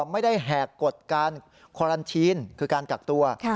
ไม่ได้แหกกฎการควารันทีนคือการกักตัว